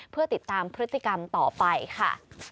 เพื่อติดตามพฤติกรรมต่อไปค่ะ